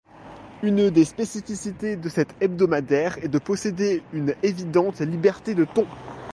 Une des spécificités de cet hebdomadaire est de posséder une évidente liberté de ton.